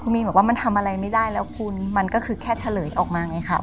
มีนบอกว่ามันทำอะไรไม่ได้แล้วคุณมันก็คือแค่เฉลยออกมาไงค่ะ